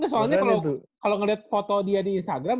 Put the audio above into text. soalnya kalau ngeliat foto dia di instagram